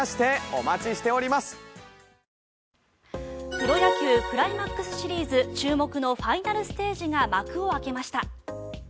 プロ野球クライマックスシリーズ注目のファイナルステージが幕を開けました。